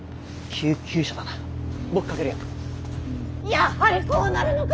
やはりこうなるのか！